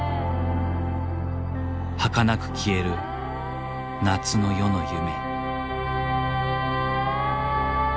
儚く消える夏の夜の夢。